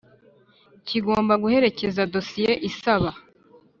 Kigomba guherekeza dosiye isaba